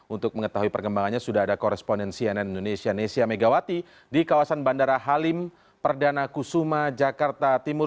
untuk mengetahui perkembangannya sudah ada koresponen cnn indonesia nesya megawati di kawasan bandara halim perdana kusuma jakarta timur